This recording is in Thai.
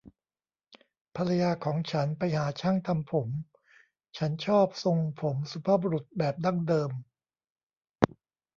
ภรรยาของฉันไปหาช่างทำผม ฉันชอบทรงผมสุภาพบุรุษแบบดั้งเดิม